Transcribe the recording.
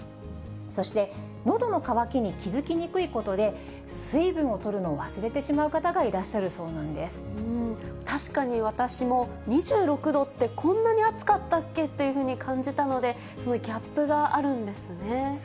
そして、のどの渇きに気付きにくいことで、水分をとるのを忘れてしまう方がいらっしゃるそうなん確かに私も、２６度ってこんなに暑かったっけって感じたので、すごいギャップそうですね。